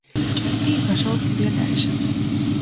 И пошёл себе дальше.